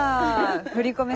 振り込め